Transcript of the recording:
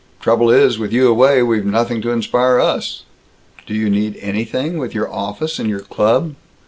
Trouble is, with you away, we've nothing to inspire us!" "Do you need anything, with your office and your club?"